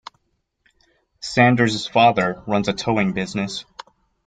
Sanders' father runs a towing business.